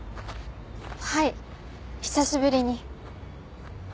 はい久しぶりに。